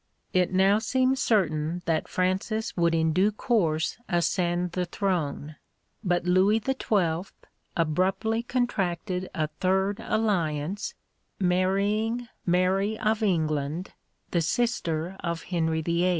It now seemed certain that Francis would in due course ascend the throne; but Louis XII. abruptly contracted a third alliance, marrying Mary of England, the sister of Henry VIII.